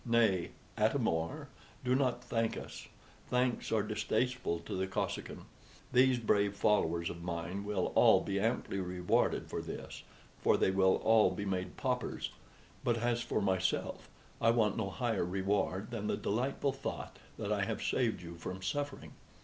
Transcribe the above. Nay, Atam or, do not thank us; thanks are distasteful to the Kosekin: these brave followers of mine will all be amply rewarded for this, for they will all be made paupers; but as for myself, I want no higher reward than the delightful thought that I have saved you from suffering."